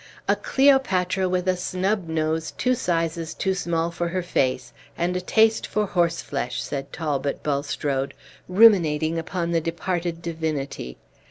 "A Cleopatra with a snub nose two sizes too small for her face, and a taste for horse flesh!" said Talbot Bulstrode, ruminating upon the departed divinity.